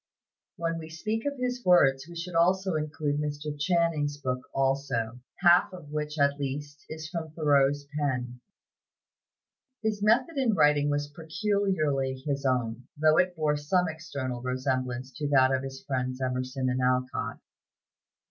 When we speak of his works, we should include Mr. Channing's book also, half of which, at least, is from Thoreau's pen. His method in writing was peculiarly his own, though it bore some external resemblance to that of his friends, Emerson and Alcott.